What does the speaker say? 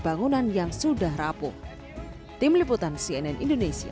bangunan yang sudah rapuh tim liputan cnn indonesia